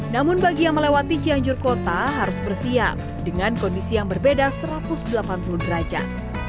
namun bagi yang melewati cianjur kota harus bersiap dengan kondisi yang berbeda satu ratus delapan puluh derajat